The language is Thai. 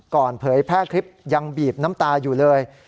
เผยแพร่คลิปยังบีบน้ำตาอยู่เลย